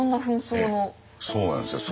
そうなんですよ。